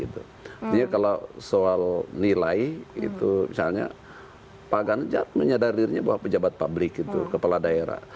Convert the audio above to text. jadi kalau soal nilai misalnya pak ganjar menyadari dirinya bahwa pejabat publik kepala daerah